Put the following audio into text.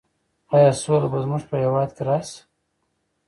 ایا سوله به زموږ په هېواد کې راسي؟